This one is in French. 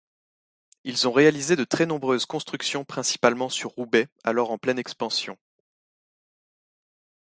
Ils ont réalisé de très nombreuses constructions principalement sur Roubaix alors en pleine expansion.